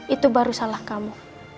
itu baru salah kamu